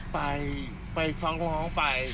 ไปไปฟ้องร้องไป